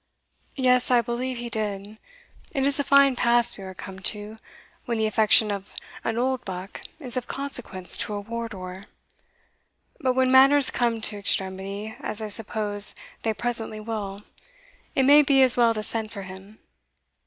"Yes, I believe he did. It is a fine pass we are come to, when the affection of an Oldbuck is of consequence to a Wardour! But when matters come to extremity, as I suppose they presently will it may be as well to send for him.